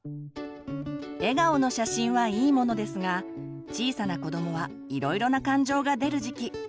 笑顔の写真はいいものですが小さな子どもはいろいろな感情が出る時期。